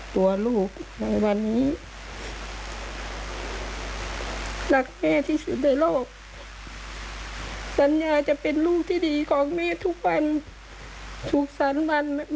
ด้วยรักจากใจลูกเหมียวลูกอันครับ